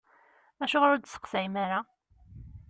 Acuɣer ur d-testeqsayem ara?